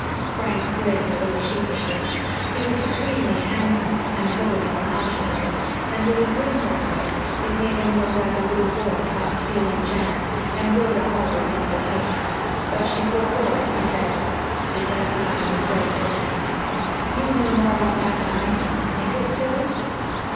Frank grinned a little sheepishly. He was extremely handsome and totally unconscious of it, and when he grinned that way it made him look like a little boy caught stealing jam, and Rhoda always wanted to hug him. But she forebore as he said, "It does seem a little silly, doesn't it?" "You'd know more about that than I do. Is it silly?"